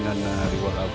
kalau aku adek